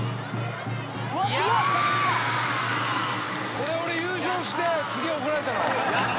「これ俺優勝してすげえ怒られたの」